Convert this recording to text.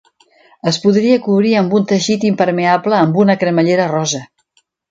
Es podria cobrir amb un teixit impermeable amb una cremallera rosa.